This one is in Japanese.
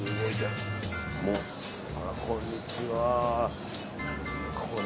こんにちは。